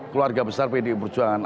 keluarga besar pd perjuangan